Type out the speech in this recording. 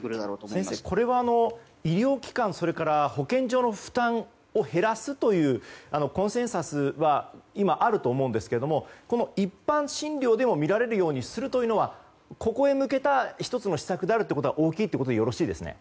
先生、これは医療機関それから保健所の負担を減らすというコンセンサスは今、あると思うんですが一般診療でも診られるようにするというのはここへ向けた１つの施策であるということは大きいということですね。